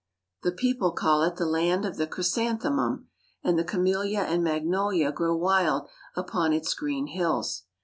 The people call it the land of the chrysanthemum, and the camelia and magnolia grow wild upon its green hills.